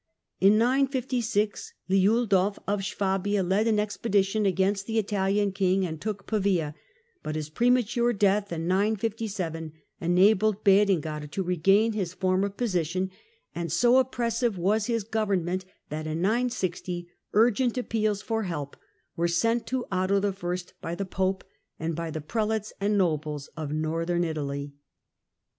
In 956, Liudolf of Swabia led an expedition against the Italian king and took Pavia, but his pre mature death in 957 enabled Berengar to regain his former position, and so oppressive was his government that in 960 urgent appeals for help were sent to Otto I. by the Pope and by the prelates and nobles of Northern Ilaly.